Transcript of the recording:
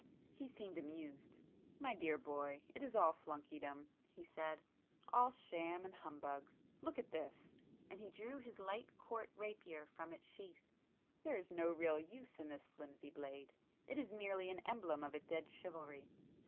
He seemed amused. "My dear boy, it is all flunkeydom;" he said—"All sham and humbug. Look at this—" and he drew his light court rapier from its sheath—"There is no real use in this flimsy blade,—it is merely an emblem of dead chivalry.